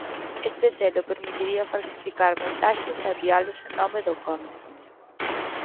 Este selo permitiría falsificar mensaxes e envialos en nome do conde.